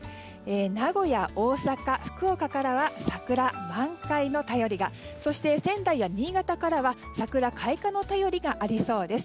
名古屋、大阪、福岡からは桜満開の便りがそして仙台や新潟からは桜開花の便りがありそうです。